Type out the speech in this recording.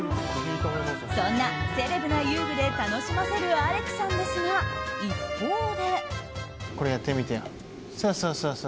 そんなセレブな遊具で楽しませるアレクさんですが、一方で。